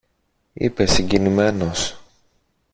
είπε συγκινημένος.